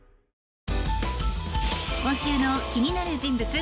今週の気になる人物